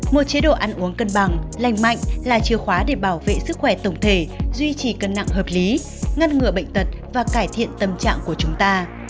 một chế độ ăn uống cân bằng lành mạnh là chìa khóa để bảo vệ sức khỏe tổng thể duy trì cân nặng hợp lý ngăn ngừa bệnh tật và cải thiện tâm trạng của chúng ta